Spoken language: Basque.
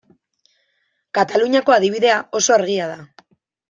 Kataluniako adibidea oso argia da.